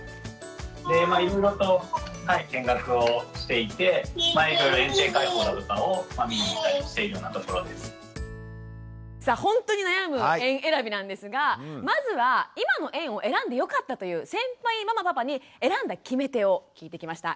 続いてさあほんとに悩む園えらびなんですがまずは「今の園を選んでよかった」という先輩ママパパに「選んだ決め手」を聞いてきました。